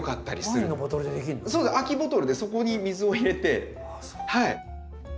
空きボトルでそこに水を入れてはい。